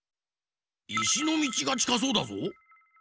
いしのみちがちかそうだぞ。